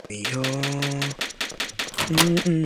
This leaves them susceptible to having their loyalty doubted.